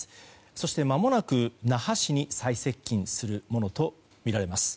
そして、まもなく那覇市に最接近するものとみられます。